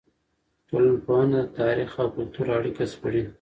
ټولنپوهنه د تاریخ او کلتور اړیکه سپړي.